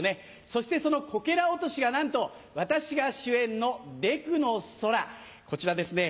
そしてそのこけら落としがなんと私が主演の『でくの空』。こちらですね